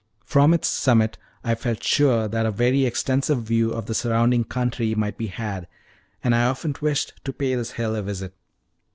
From its summit I felt sure that a very extensive view of the surrounding country might be had, and I often wished to pay this hill a visit.